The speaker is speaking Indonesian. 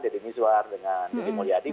dedy miswar dengan dedy mulyadi